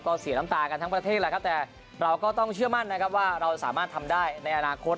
ก็เสียน้ำตากันทั้งประเทศแหละครับแต่เราก็ต้องเชื่อมั่นนะครับว่าเราสามารถทำได้ในอนาคต